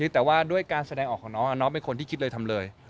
แต่ว่าด้วยการแสดงออกของน้องน้องเป็นคนที่คิดเลยทำเลย